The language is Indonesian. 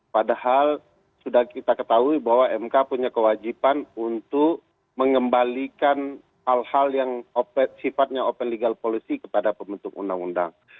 padahal sudah kita ketahui bahwa mk punya kewajiban untuk mengembalikan hal hal yang sifatnya open legal policy kepada pembentuk undang undang